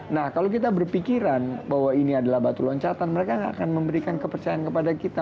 nah kalau kita berpikiran bahwa ini adalah batu loncatan mereka tidak akan memberikan kepercayaan kepada kita